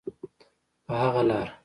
په هغه لاره.